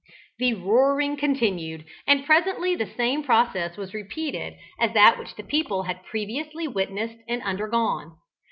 The roaring continued and presently the same process was repeated as that which the people had previously witnessed and undergone.